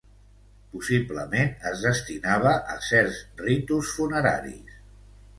Possiblement, es destinava a certs ritus funeraris.